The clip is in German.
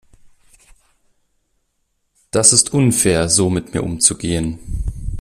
Das ist unfair so mit mir umzugehen.